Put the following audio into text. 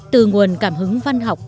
từ nguồn cảm hứng văn học